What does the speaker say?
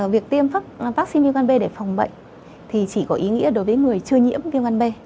việc tiêm vaccine viêm gan b để phòng bệnh thì chỉ có ý nghĩa đối với người chưa nhiễm viêm gan b